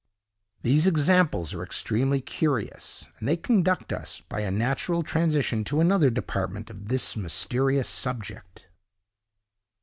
These examples are extremely curious, and they conduct us by a natural transition to another department of this mysterious subject.